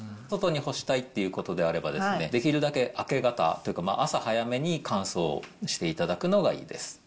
外に干したいっていうことであれば、できるだけ明け方、というか、朝早めに乾燥していただくのがいいです。